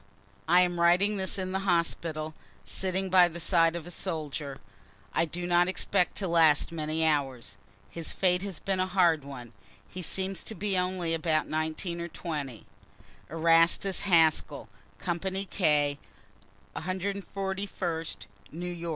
I am writing this in the hospital, sitting by the side of a soldier, I do not expect to last many hours. His fate has been a hard one he seems to be only about 19 or 20 Erastus Haskell, company K, 141st N. Y.